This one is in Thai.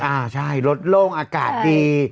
อ่าใช่รถโล่งอากาศดี